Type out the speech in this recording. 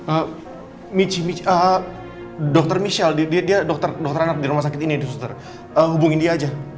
eh michi michi ah dokter michelle dia dokter anak di rumah sakit ini di suter hubungin dia aja